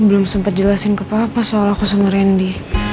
belum sempat jelasin ke papa soal aku sama randy